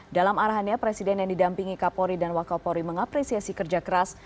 dalam arahannya presiden yang didampingi kapolri dan wakapolri mengapresiasi kerja keras